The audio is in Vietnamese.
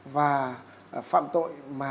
và phạm tội mà